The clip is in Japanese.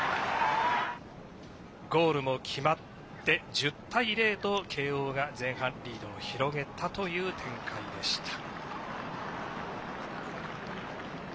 ゴールも決まって１０対０と慶応が前半リードを広げたという展開でした。